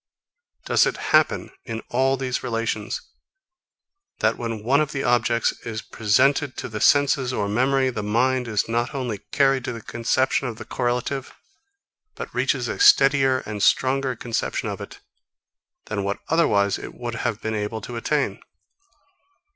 Does it happen, in all these relations, that, when one of the objects is presented to the senses or memory, the mind is not only carried to the conception of the correlative, but reaches a steadier and stronger conception of it than what otherwise it would have been able to attain?